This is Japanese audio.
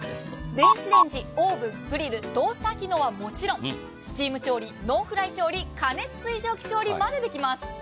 電子レンジ、オーブン、グリル、トースター機能はもちろんスチーム調理、ノンフライ調理過熱水蒸気調理までできます。